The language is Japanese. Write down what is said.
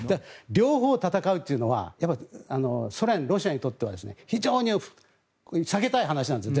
両方戦うというのはソ連、ロシアにとっては非常に避けたい話なんです。